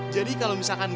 jadi kalau misalkan gue